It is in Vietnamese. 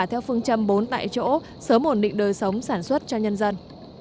theo phương châm bốn tại chỗ sớm ổn định đời sống sản xuất cho nhân dân